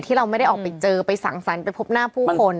เราไม่ได้ออกไปเจอไปสั่งสรรคไปพบหน้าผู้คน